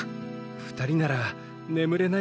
２人なら眠れない